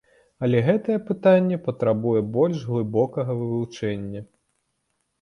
Але гэтае пытанне патрабуе больш глыбокага вывучэння.